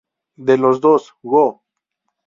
De los dos, Go!